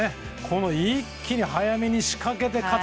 一気に早めに仕掛けて、勝つ。